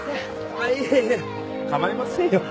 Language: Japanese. あっいえいえ構いませんよ。